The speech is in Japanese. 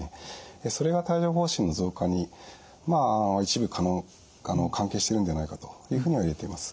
それが帯状ほう疹の増加に一部関係しているのではないかというふうにいわれています。